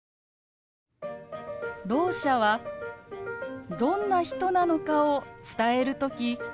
ろう者はどんな人なのかを伝える時